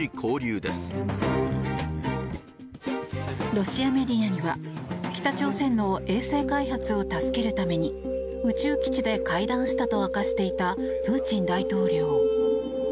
ロシアメディアには北朝鮮の衛星開発を助けるために宇宙基地で会談したと明かしていたプーチン大統領。